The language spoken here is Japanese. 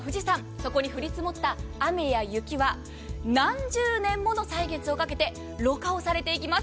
そこに降り積もった雨や雪は何十年もの歳月をかけてろ過をされていきます。